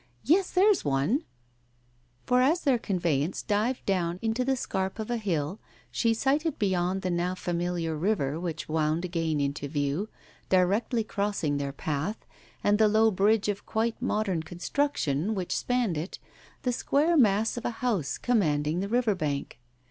Yes, there's one !" For as their conveyance dived down into the scarp of a hill, she sighted beyond the now familiar river which wound again into view, directly crossing their path, and the low bridge of quite modern construction which Spanned it, the square mass of a house commanding the river bank.